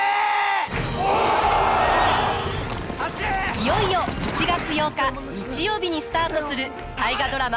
いよいよ１月８日日曜日にスタートする大河ドラマ